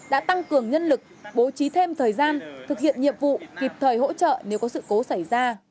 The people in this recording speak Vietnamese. đã tăng cường nhân lực bố trí thêm thời gian thực hiện nhiệm vụ kịp thời hỗ trợ nếu có sự cố xảy ra